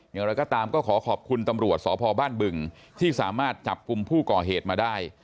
อย่างไรก็ตามก็ขอขอบคุณตำรวจสพบ้านบึงที่สามารถจับกลุ่มผู้ก่อเหตุมาได้